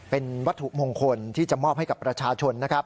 เป็นวัตถุมงคลที่จะมอบให้กับประชาชนนะครับ